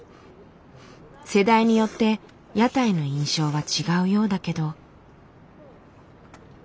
世代によって屋台の印象は違うようだけど。